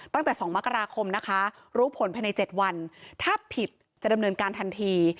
ตั้งแต่๒มกราคมนะคะรู้ผลภายใน๗วันถ้าผิดจะดำเนินการทันที